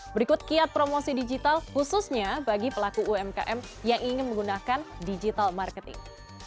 berikut kiat promosi digital khususnya bagi pelaku umkm yang ingin menggunakan digital marketing